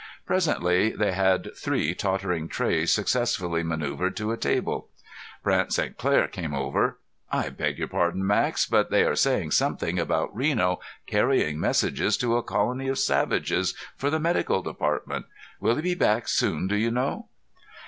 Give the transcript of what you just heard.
Presently they had three tottering trays successfully maneuvered to a table. Brant St. Clair came over. "I beg your pardon, Max, but they are saying something about Reno carrying messages to a colony of savages, for the medical department. Will he be back soon, do you know?"